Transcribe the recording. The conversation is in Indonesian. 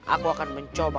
aku akan mencoba